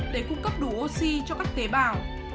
để cung cấp đủ oxy cho các tế bào